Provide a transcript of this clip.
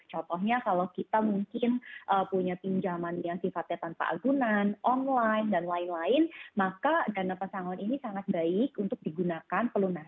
contohnya kalau kita mungkin punya pinjaman yang sifatnya tanpa agunan online dan lain lain maka dana pesangon ini sangat baik untuk digunakan pelunas